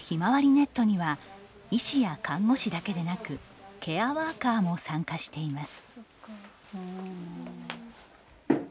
ネットには医師や看護師だけでなくケアワーカーも参加しています。